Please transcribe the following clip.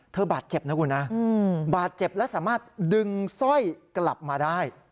บาดเจ็บนะคุณนะบาดเจ็บและสามารถดึงสร้อยกลับมาได้